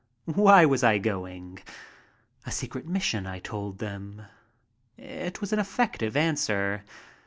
Why was I going? A secret mission, I told them. It was an effective answer.